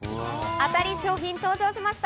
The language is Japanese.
当たり商品、登場しました。